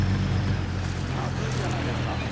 マズいじゃないですか。